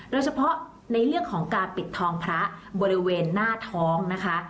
โดยเฉพาะในเรื่องของการปิดทองพระบริเวณหน้าท้องนะคะ